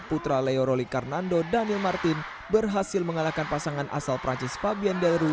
putra leorolli carnando danil martin berhasil mengalahkan pasangan asal prancis fabian delru